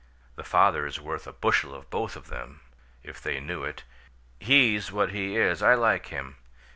The father's worth a bushel of both of them, if they knew it. He's what he is. I like him."